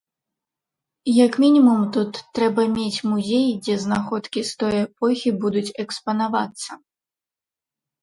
Як мінімум тут трэба мець музей, дзе знаходкі з той эпохі будуць экспанавацца.